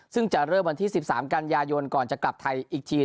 ซึ่งจะเริ่มวันที่๑๓กันยายนก่อนจะกลับไทยอีกที